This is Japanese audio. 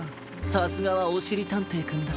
さすがはおしりたんていくんだ！